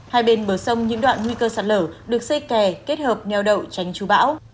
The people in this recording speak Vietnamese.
hai bên bờ sông những đoạn nguy cơ sạt lở được xây kè kết hợp nheo đậu tránh chú bão